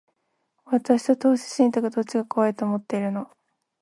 私と投資信託、どっちが怖いと思ってるの？